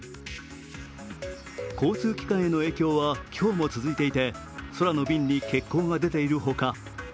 交通機関への影響は今日も続いていて、空の便に欠航が出ている他